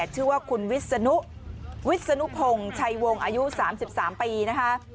ชื่อว่าคุณวิศนุวิศนุพงศ์ชัยวงศ์อายุ๓๓ปีนะคะ